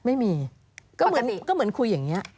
ไม่มีก็เหมือนคุยอย่างนี้